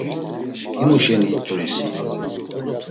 Himu şeni it̆uri si?